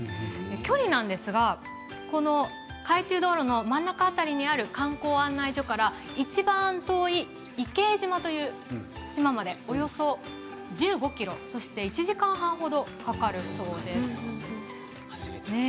距離なんですが海中道路の真ん中辺りにある観光案内所からいちばん遠い伊計島という島までおよそ１５ｋｍそして１時間半程かかるそうです。